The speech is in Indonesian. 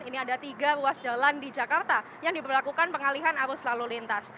ini ada tiga ruas jalan di jakarta yang diberlakukan pengalihan arus lalu lintas